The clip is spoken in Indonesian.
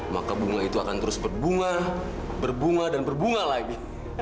maka bunga itu akan terus berbunga berbunga dan berbunga lagi